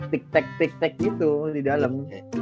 tick tack gitu di dalam